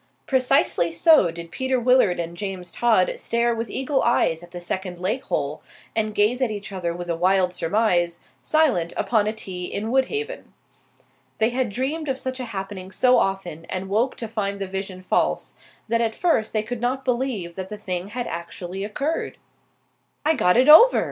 Precisely so did Peter Willard and James Todd stare with eagle eyes at the second lake hole, and gaze at each other with a wild surmise, silent upon a tee in Woodhaven. They had dreamed of such a happening so often and woke to find the vision false, that at first they could not believe that the thing had actually occurred. "I got over!"